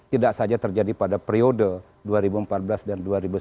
tidak saja terjadi pada periode dua ribu empat belas dan dua ribu sembilan belas